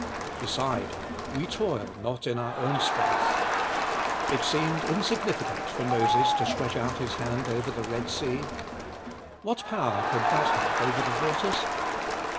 Beside, we toil not in our own strength. It seemed insignificant for Moses to stretch his hand over the Red Sea. What power could that have over the waters?